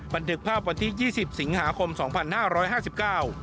บันทึกภาพวันที่ยี่สิบสิงหาคมสองพันห้าร้อยห้าสิบเก้า